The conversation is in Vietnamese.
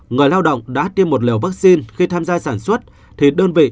người lao động đã tiêm một liều vaccine khi tham gia sản xuất thì đơn vị